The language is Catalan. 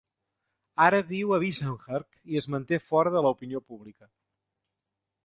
Ara viu a Vissenbjerg i es manté fora de l'opinió pública.